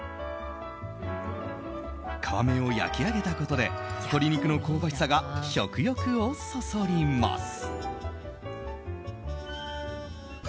皮目を焼き上げたことで鶏肉の香ばしさが食欲をそそります。